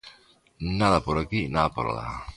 Nada por aquí, nada por alá.